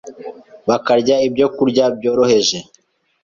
bakarya ibyokurya byoroheje.